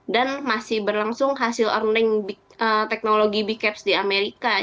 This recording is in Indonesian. dan masih berlangsung hasil earning teknologi bkeps di amerika